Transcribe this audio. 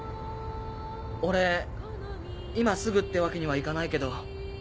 俺今すぐってわけにはいかないけど。